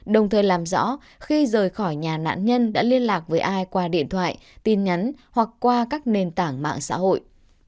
đồng thời làm rõ khi rời khỏi nhà nạn nhân đã liên lạc với ai qua điện thoại tin nhắn hoặc qua các nền tảng mạng xã hội